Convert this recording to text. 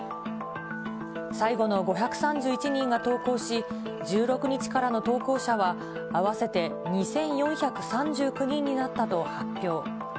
最後の５３１人が投降し、１６日からの投降者は合わせて２４３９人になったと発表。